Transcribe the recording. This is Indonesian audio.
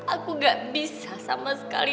aku gak bisa sama sekali